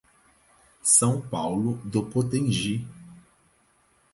São Paulo do Potengi